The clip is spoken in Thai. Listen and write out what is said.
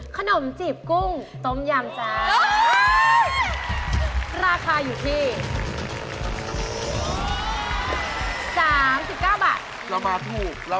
ขนมจีบกุ้งต้มยำจ้า